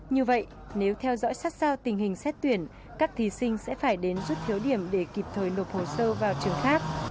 như vậy nếu theo dõi sát sao tình hình xét tuyển các thí sinh sẽ phải đến rút thiếu điểm để kịp thời nộp hồ sơ vào trường khác